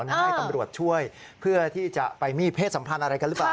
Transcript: ให้ตำรวจช่วยเพื่อที่จะไปมีเพศสัมพันธ์อะไรกันหรือเปล่า